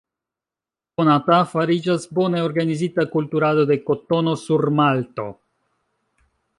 Konata fariĝas bone organizita kulturado de kotono sur Malto.